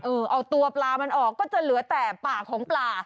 เอาตัวปลามันออกก็จะเหลือแต่ปากของปลา